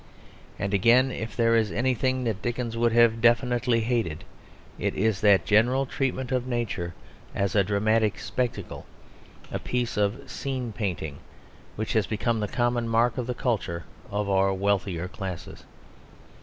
And again, if there is anything that Dickens would have definitely hated it is that general treatment of nature as a dramatic spectacle, a piece of scene painting which has become the common mark of the culture of our wealthier classes.